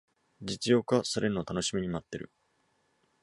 実用化されるのを楽しみに待ってる